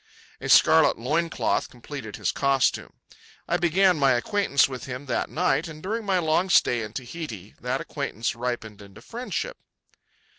A scarlet loin cloth completed his costume. I began my acquaintance with him that night, and during my long stay in Tahiti that acquaintance ripened into friendship.